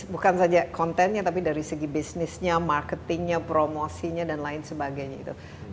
bukan saja kontennya tapi dari segi bisnisnya marketingnya promosinya dan lain sebagainya itu